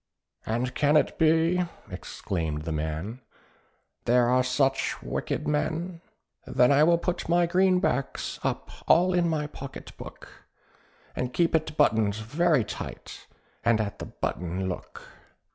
"And can it be," exclaimed the man, "there are such wicked men? "Then I will put my greenbacks up all in my pocket book, And keep it buttoned very tight, and at the button look."